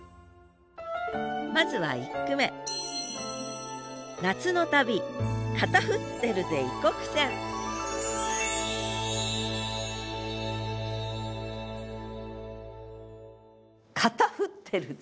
まずは１句目「カタフッてるぜ」。